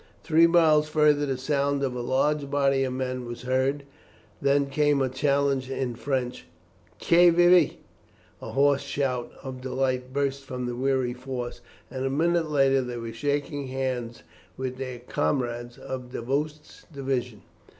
Three miles further the sound of a large body of men was heard, then came a challenge in French, "Qui vive!" A hoarse shout of delight burst from the weary force, and a minute later they were shaking hands with their comrades of Davoust's division.